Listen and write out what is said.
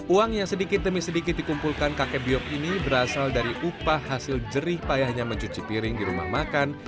uang yang sedikit demi sedikit dikumpulkan kakek biok ini berasal dari upah hasil jerih payahnya mencuci piring di rumah makan